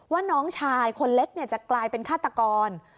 ว่าน้องชายคนเล็กจะกลายเป็นฆาตกร